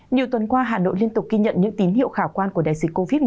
nhiều tuần qua hà nội liên tục ghi nhận những tín hiệu khả quan của đại dịch covid một mươi chín